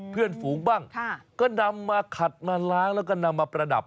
เพื่อนฝูงบ้างก็นำมาขัดมาล้างแล้วก็นำมาประดับ